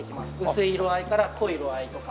薄い色合いから濃い色合いとか。